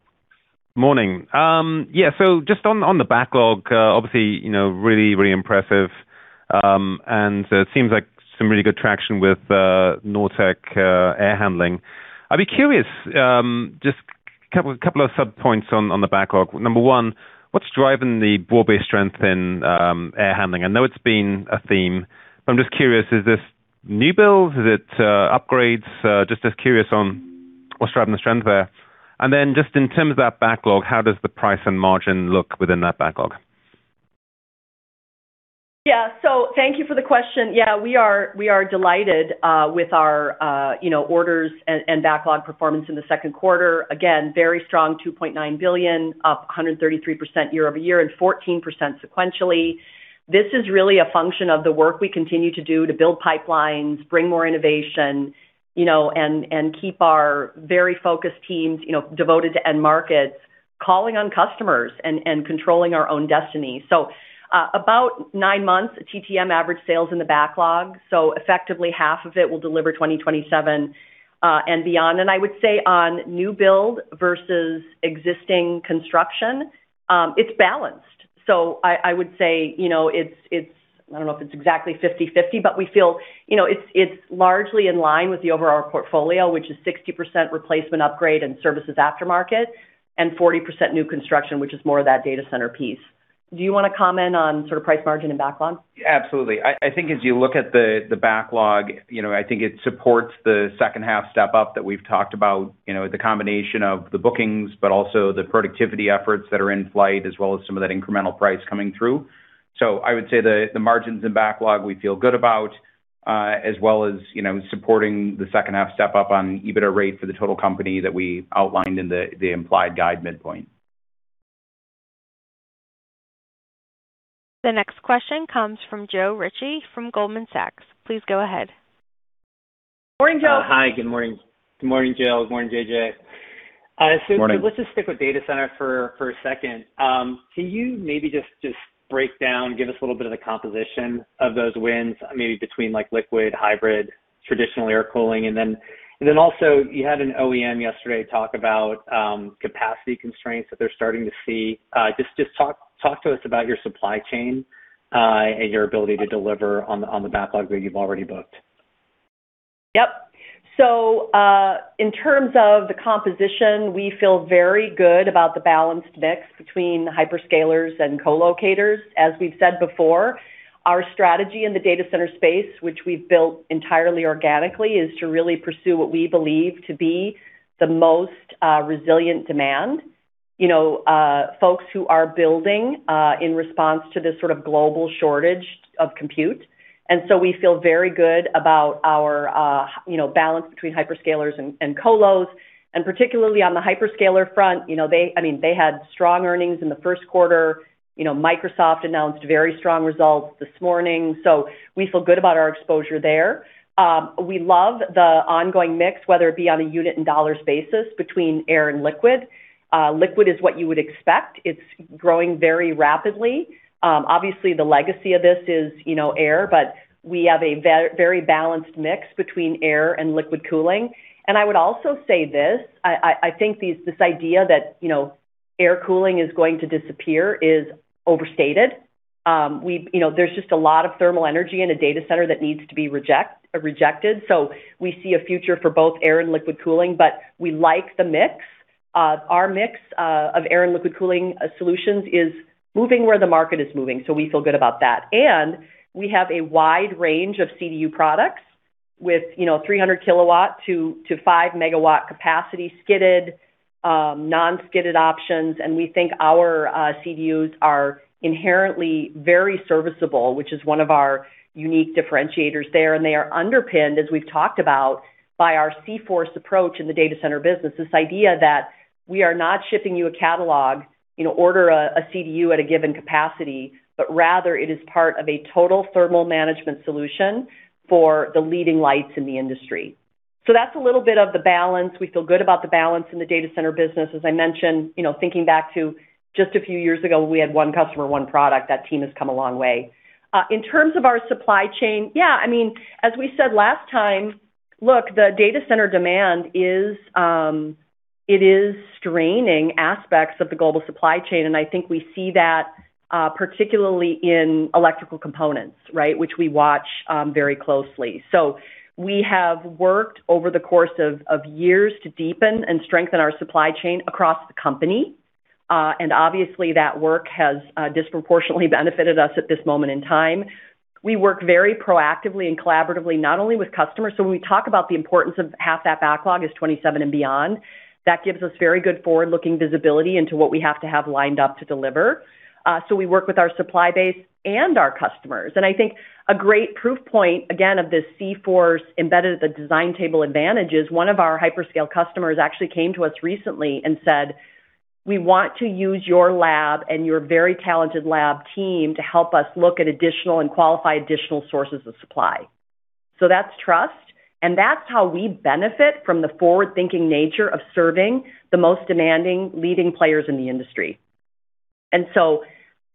Yeah. just on the backlog, obviously, really, really impressive. it seems like some really good traction with Nortek Air Solutions. I'd be curious, just a couple of sub-points on the backlog. Number one, what's driving the broad-based strength in air handling? I know it's been a theme. I'm just curious, is this new builds? Is it upgrades? Just as curious on what's driving the strength there. then just in terms of that backlog, how does the price and margin look within that backlog? Thank you for the question. We are delighted with our orders and backlog performance in the Q2. Again, very strong, $2.9 billion, up 133% year-over-year and 14% sequentially. This is really a function of the work we continue to do to build pipelines, bring more innovation, and keep our very focused teams devoted to end markets, calling on customers and controlling our own destiny. About nine months TTM average sales in the backlog. Effectively, half of it will deliver 2027 and beyond. I would say on new build versus existing construction, it is balanced. I would say I do not know if it is exactly 50/50, but we feel it is largely in line with the overall portfolio, which is 60% replacement, upgrade, and services aftermarket and 40% new construction, which is more of that data center piece. Do you want to comment on sort of price margin and backlog? Absolutely. As you look at the backlog, I think it supports the H2 step up that we have talked about, the combination of the bookings, also the productivity efforts that are in flight, as well as some of that incremental price coming through. I would say the margins and backlog we feel good about. As well as supporting the H2 step up on EBITDA rate for the total company that we outlined in the implied guide midpoint. The next question comes from Joe Ritchie from Goldman Sachs. Please go ahead. Morning, Joe. Hi, good morning. Good morning, Jill Wyant. Good morning, JJ Foley. Morning. Let's just stick with data center for a second. Can you maybe just break down, give us a little bit of the composition of those wins, maybe between liquid, hybrid, traditional air cooling? Then also you had an OEM yesterday talk about capacity constraints that they're starting to see. Just talk to us about your supply chain, and your ability to deliver on the backlog that you've already booked. Yep. In terms of the composition, we feel very good about the balanced mix between hyperscalers and co-locators. As we've said before, our strategy in the data center space, which we've built entirely organically, is to really pursue what we believe to be the most resilient demand. Folks who are building in response to this sort of global shortage of compute. So we feel very good about our balance between hyperscalers and co-locators, and particularly on the hyperscaler front, they had strong earnings in Q1. Microsoft announced very strong results this morning. We feel good about our exposure there. We love the ongoing mix, whether it be on a unit and dollars basis, between air and liquid. Liquid is what you would expect. It's growing very rapidly. Obviously, the legacy of this is air, but we have a very balanced mix between air and liquid cooling. I would also say this, I think this idea that air cooling is going to disappear is overstated. There's just a lot of thermal energy in a data center that needs to be rejected, so we see a future for both air and liquid cooling, but we like the mix. Our mix of air and liquid cooling solutions is moving where the market is moving, so we feel good about that. We have a wide range of CDU products with 300 KW to 5 MW capacity skidded, non-skidded options, and we think our CDUs are inherently very serviceable, which is one of our unique differentiators there. They are underpinned, as we've talked about, by our C-Force approach in the data center business. This idea that we are not shipping you a catalog, order a CDU at a given capacity, but rather it is part of a total thermal management solution for the leading lights in the industry. That's a little bit of the balance. We feel good about the balance in the data center business. As I mentioned, thinking back to just a few years ago, we had one customer, one product. That team has come a long way. In terms of our supply chain, as we said last time, look, the data center demand is straining aspects of the global supply chain, and I think we see that particularly in electrical components, which we watch very closely. We have worked over the course of years to deepen and strengthen our supply chain across the company. Obviously that work has disproportionately benefited us at this moment in time. We work very proactively and collaboratively, not only with customers. When we talk about the importance of half that backlog is 2027 and beyond, that gives us very good forward-looking visibility into what we have to have lined up to deliver. We work with our supply base and our customers, and I think a great proof point, again, of this C-Force embedded-at-the-design-table advantage is one of our hyperscale customers actually came to us recently and said, "We want to use your lab and your very talented lab team to help us look at additional and qualify additional sources of supply." That's trust, and that's how we benefit from the forward-thinking nature of serving the most demanding leading players in the industry.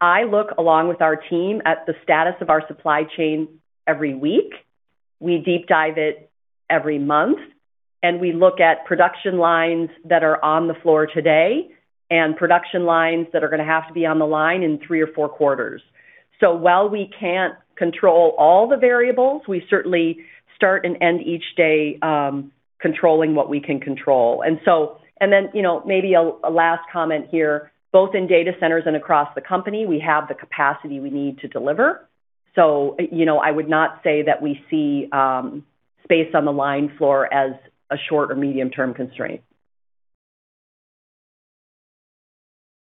I look, along with our team, at the status of our supply chain every week. We deep dive it every month, and we look at production lines that are on the floor today, and production lines that are going to have to be on the line in three or four quarters. While we can't control all the variables, we certainly start and end each day controlling what we can control. Then maybe a last comment here, both in data centers and across the company, we have the capacity we need to deliver. I would not say that we see space on the line floor as a short or medium-term constraint.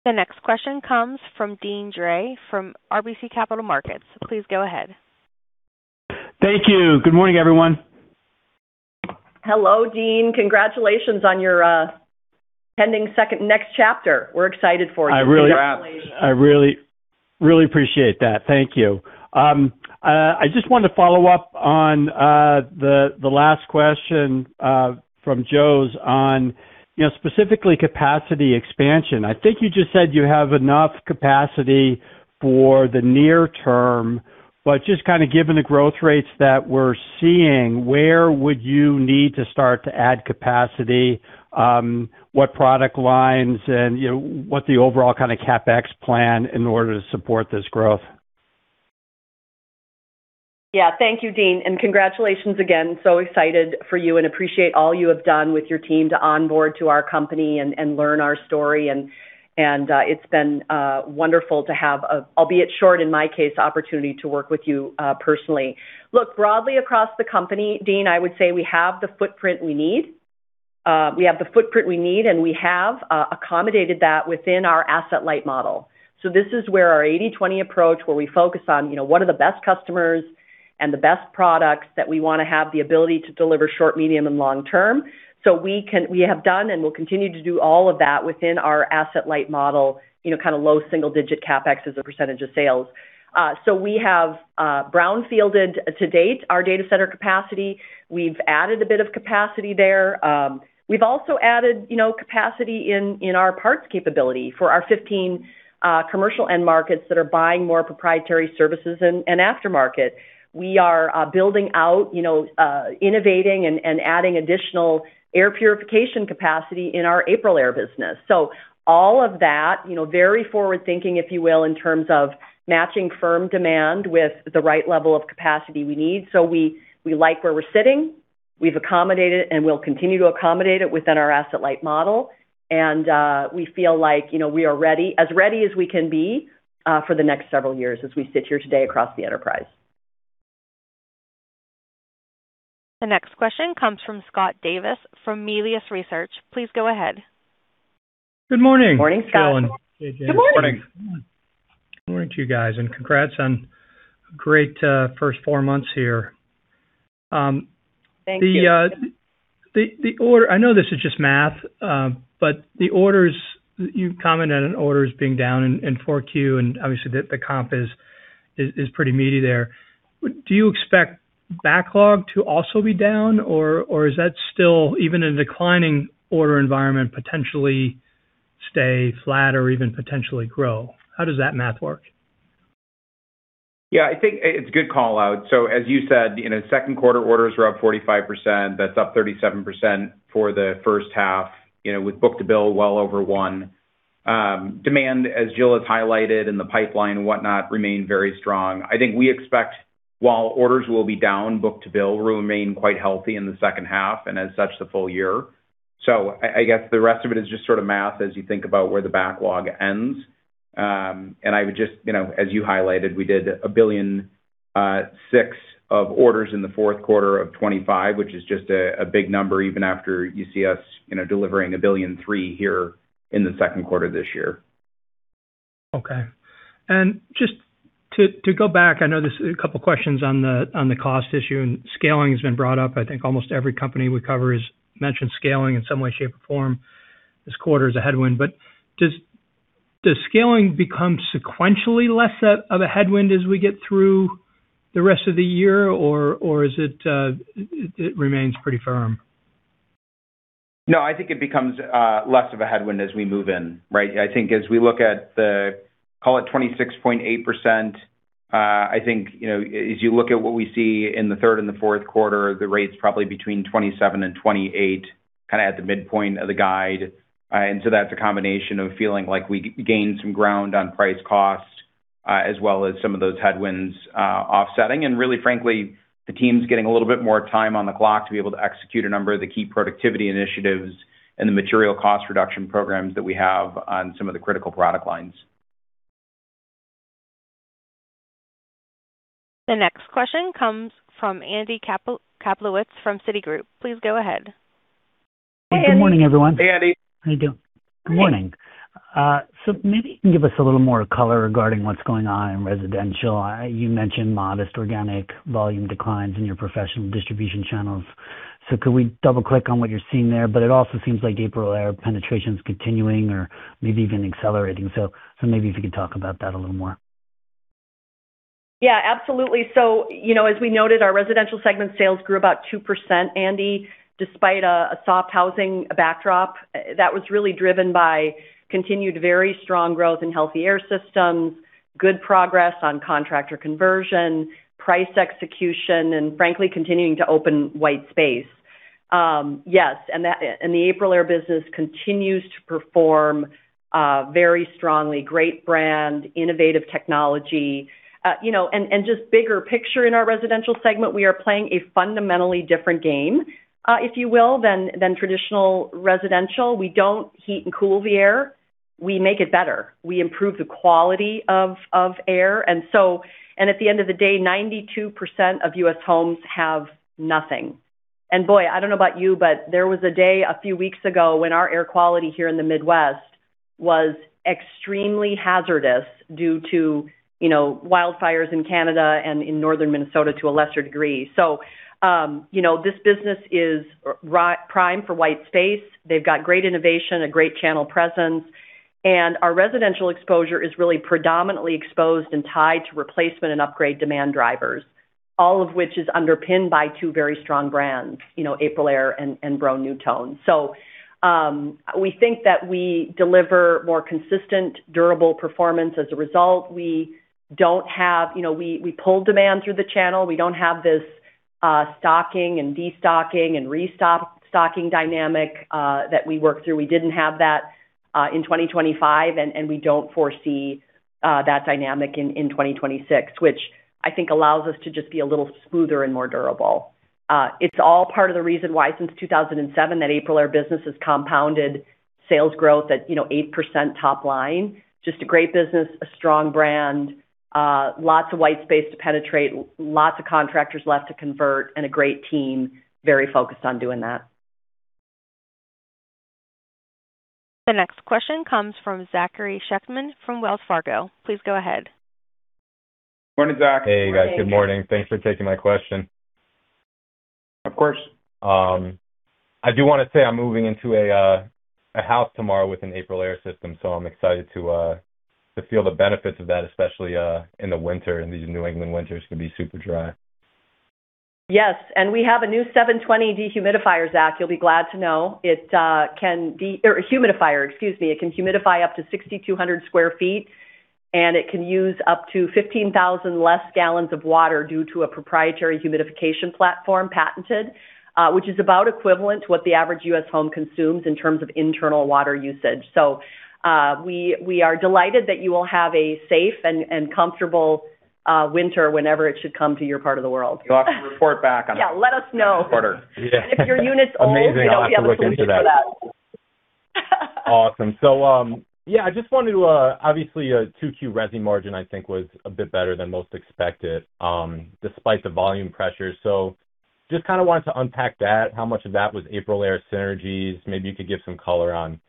The next question comes from Deane Dray from RBC Capital Markets. Please go ahead. Thank you. Good morning, everyone. Hello, Deane. Congratulations on your pending next chapter. We're excited for you. I really appreciate that. Thank you. I just wanted to follow up on the last question from Joe on specifically capacity expansion. I think you just said you have enough capacity for the near term, but just kind of given the growth rates that we're seeing, where would you need to start to add capacity? What product lines and what the overall kind of CapEx plan in order to support this growth? Yeah, thank you, Deane. Congratulations again. Excited for you and appreciate all you have done with your team to onboard to our company and learn our story. It's been wonderful to have, albeit short in my case, opportunity to work with you personally. Look, broadly across the company, Deane, I would say we have the footprint we need. We have the footprint we need, and we have accommodated that within our asset-light model. This is where our 80/20 approach, where we focus on what are the best customers and the best products that we want to have the ability to deliver short, medium, and long term. We have done, and will continue to do all of that within our asset-light model, low single-digit CapEx as a percentage of sales. We have brownfielded to date our data center capacity. We've added a bit of capacity there. We've also added capacity in our parts capability for our 15 commercial end markets that are buying more proprietary services and aftermarket. We are building out, innovating and adding additional air purification capacity in our AprilAire business. All of that, very forward-thinking, if you will, in terms of matching firm demand with the right level of capacity we need. We like where we're sitting. We've accommodated, and we'll continue to accommodate it within our asset-light model. We feel like we are ready, as ready as we can be for the next several years as we sit here today across the enterprise. The next question comes from Scott Davis from Melius Research. Please go ahead. Good morning. Morning, Scott. How's it going? Good morning. Morning to you guys, and congrats on a great first four months here. Thank you. I know this is just math, the orders, you've commented on orders being down in Q4, and obviously the comp is pretty meaty there. Do you expect backlog to also be down, or is that still even a declining order environment, potentially stay flat or even potentially grow? How does that math work? I think it's a good call-out. As you said, Q2 orders were up 45%. That's up 37% for the H1 with book-to-bill well over one. Demand, as Jill has highlighted, and the pipeline whatnot remain very strong. I think we expect while orders will be down, book-to-bill will remain quite healthy in the H2, and as such, the full year. I guess the rest of it is just sort of math as you think about where the backlog ends. I would just, as you highlighted, we did $1.6 billion of orders in the Q4 of 2025, which is just a big number, even after you see us delivering $1.3 billion here in the Q2 this year. Just to go back, I know there's a couple of questions on the cost issue, and scaling has been brought up. I think almost every company we cover has mentioned scaling in some way, shape, or form this quarter as a headwind. Does scaling become sequentially less of a headwind as we get through the rest of the year, or it remains pretty firm? No, I think it becomes less of a headwind as we move in. Right. I think as we look at the, call it 26.8%, I think as you look at what we see in Q3 and Q4, the rate's probably between 27% and 28%, kind of at the midpoint of the guide. That's a combination of feeling like we gained some ground on price cost, as well as some of those headwinds offsetting. Really, frankly, the team's getting a little bit more time on the clock to be able to execute a number of the key productivity initiatives and the material cost reduction programs that we have on some of the critical product lines. The next question comes from Andy Kaplowitz from Citigroup. Please go ahead. Hey, Andy. Hey, Andy. How you doing? Good morning. Maybe you can give us a little more color regarding what's going on in residential. You mentioned modest organic volume declines in your professional distribution channels. Could we double-click on what you're seeing there? It also seems like AprilAire penetration's continuing or maybe even accelerating. Maybe if you could talk about that a little more. Yeah, absolutely. As we noted, our residential segment sales grew about 2%, Andy, despite a soft housing backdrop. That was really driven by continued very strong growth in Healthy Air Systems, good progress on contractor conversion, price execution, and frankly, continuing to open white space. Yes, the AprilAire business continues to perform very strongly. Great brand, innovative technology, and just bigger picture in our residential segment. We are playing a fundamentally different game, if you will, than traditional residential. We don't heat and cool the air. We make it better. We improve the quality of air. At the end of the day, 92% of U.S. homes have nothing. Boy, I don't know about you, but there was a day a few weeks ago when our air quality here in the Midwest was extremely hazardous due to wildfires in Canada and in northern Minnesota to a lesser degree. This business is prime for white space. They've got great innovation, a great channel presence, and our residential exposure is really predominantly exposed and tied to replacement and upgrade demand drivers, all of which is underpinned by two very strong brands, AprilAire and Broan-NuTone. We think that we deliver more consistent, durable performance as a result. We pull demand through the channel. We don't have this stocking and de-stocking and restocking dynamic that we work through. We didn't have that in 2025, and we don't foresee that dynamic in 2026, which I think allows us to just be a little smoother and more durable. It's all part of the reason why since 2007 that AprilAire business has compounded sales growth at 8% top line. Just a great business, a strong brand. Lots of white space to penetrate, lots of contractors left to convert, and a great team very focused on doing that. The next question comes from Zachary Schechtman from Wells Fargo. Please go ahead. Morning, Zach. Hey, guys. Good morning. Thanks for taking my question. Of course. I do want to say I'm moving into a house tomorrow with an AprilAire system. I'm excited to feel the benefits of that, especially in the winter. These New England winters can be super dry. Yes, we have a new 720 dehumidifier, Zach, you'll be glad to know. Humidifier, excuse me. It can humidify up to 6,200 sq ft, and it can use up to 15,000 less gallons of water due to a proprietary humidification platform, patented. Which is about equivalent to what the average U.S. home consumes in terms of internal water usage. We are delighted that you will have a safe and comfortable winter whenever it should come to your part of the world. You'll have to report back on that. Yeah, let us know. Reporter. if your unit's old. Amazing. I'll have to look into that. we have a solution for that. Awesome. Yeah, I just wanted to, obviously, Q2 resi margin, I think, was a bit better than most expected, despite the volume pressure. Just kind of wanted to unpack that, how much of that was AprilAire synergies. Maybe you could give some color on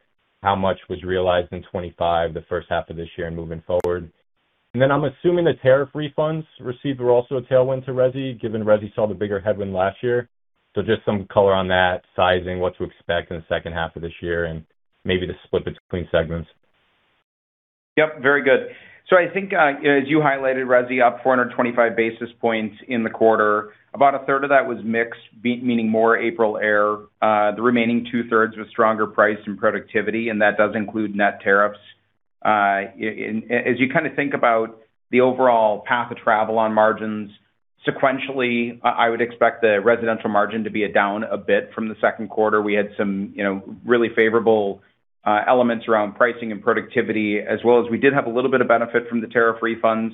how much was realized in 2025, the H1 of this year and moving forward. Then I'm assuming the tariff refunds received were also a tailwind to resi, given resi saw the bigger headwind last year. Just some color on that, sizing, what to expect in the H2 of this year, and maybe the split between segments. Yep, very good. I think, as you highlighted, resi up 425 basis points in the quarter. About a third of that was mix, meaning more AprilAire. The remaining two-thirds was stronger price and productivity, and that does include net tariffs. As you kind of think about the overall path of travel on margins, sequentially, I would expect the residential margin to be down a bit from Q2. We had some really favorable elements around pricing and productivity, as well as we did have a little bit of benefit from the tariff refunds.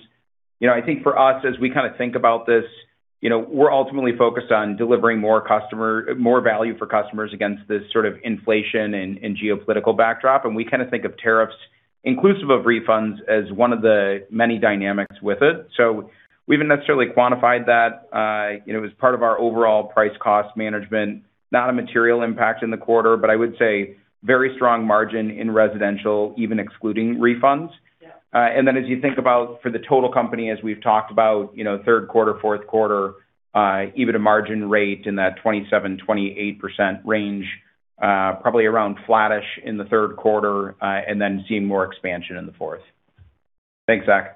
I think for us, as we kind of think about this, we're ultimately focused on delivering more value for customers against this sort of inflation and geopolitical backdrop, and we kind of think of tariffs, inclusive of refunds, as one of the many dynamics with it. We haven't necessarily quantified that. It was part of our overall price cost management, not a material impact in the quarter, but I would say very strong margin in residential, even excluding refunds. As you think about for the total company, as we've talked about, Q3, Q4, EBITDA margin rate in that 27%-28% range. Probably around flattish in Q3, and then seeing more expansion in Q4. Thanks, Zach.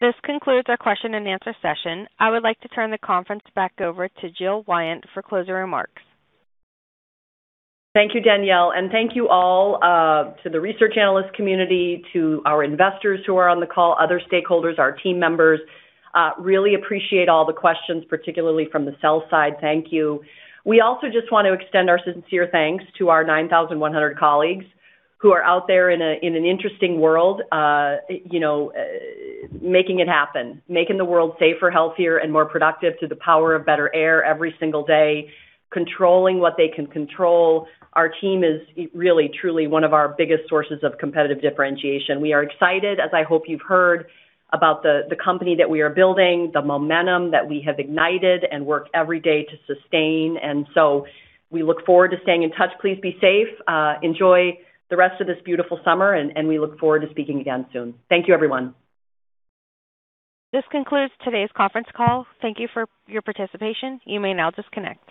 This concludes our question and answer session. I would like to turn the conference back over to Jill Wyant for closing remarks. Thank you, Danielle. Thank you all, to the research analyst community, to our investors who are on the call, other stakeholders, our team members. Really appreciate all the questions, particularly from the sell side. Thank you. We also just want to extend our sincere thanks to our 9,100 colleagues who are out there in an interesting world making it happen, making the world safer, healthier, and more productive through the power of better air every single day, controlling what they can control. Our team is really truly one of our biggest sources of competitive differentiation. We are excited, as I hope you've heard, about the company that we are building, the momentum that we have ignited and work every day to sustain. We look forward to staying in touch. Please be safe. Enjoy the rest of this beautiful summer, we look forward to speaking again soon. Thank you, everyone. This concludes today's conference call. Thank you for your participation. You may now disconnect.